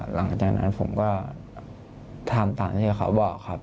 หลังจากนั้นผมก็ทำตามที่เขาบอกครับ